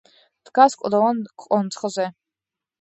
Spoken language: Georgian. დგას კლდოვან კონცხზე.